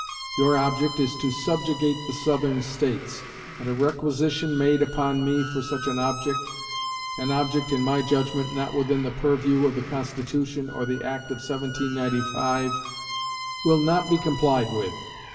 Your object is to subjugate the Southern States, and a requisition made upon me for such an object an object, in my judgment, not within the purview of the constitution or the act of 1795 will not be complied with.